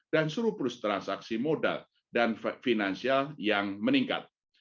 dan suruh plus transaksi modal dan finansial yang meningkat